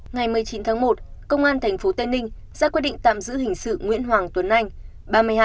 ngày một mươi chín tháng một công an tp tây ninh ra quyết định tạm giữ hình sự nguyễn hoàng tuấn anh